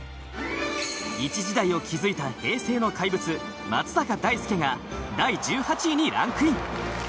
一時代を築いた平成の怪物松坂大輔が第１８位にランクイン。